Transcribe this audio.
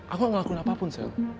aku gak ngelakuin apapun sel